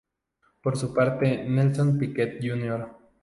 Por su parte Nelson Piquet Jr.